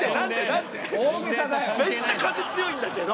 めっちゃ風強いんだけど！